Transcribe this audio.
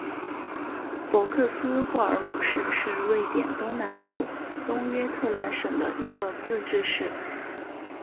博克斯霍尔姆市是瑞典东南部东约特兰省的一个自治市。